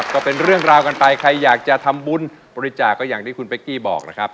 ก็เป็นเรื่องราวกันไปใครอยากจะทำบุญบริจาคก็อย่างที่คุณเป๊กกี้บอกนะครับ